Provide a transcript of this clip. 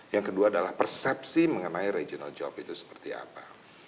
yang kedua adalah persepsi mengenai regional job itu seperti apa